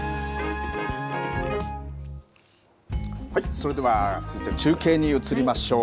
それでは続いて中継に移りましょう。